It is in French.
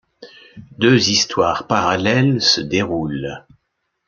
Deux histoires parallèles se déroulent.